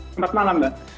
selamat malam mbak